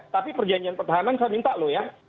tapi perjanjian pertahanan saya minta loh ya